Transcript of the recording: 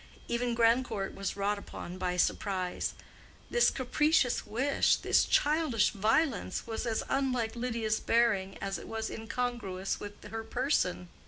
Even Grandcourt was wrought upon by surprise: this capricious wish, this childish violence, was as unlike Lydia's bearing as it was incongruous with her person.